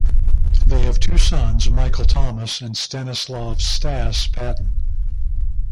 They have two sons, Michael Thomas, and Stanislav "Stas" Patten.